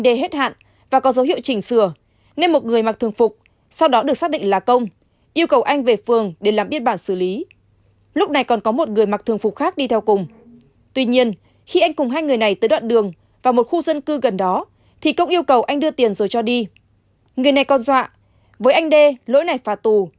đó thì cũng yêu cầu anh đưa tiền rồi cho đi người này còn dọa với anh d lỗi này phà tù